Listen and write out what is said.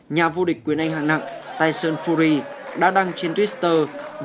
nhà vô địch quyền anh hạng nặng tyson fury đã đăng trên twitter với tuyên bố anh sẽ từ bỏ nghề bốc sinh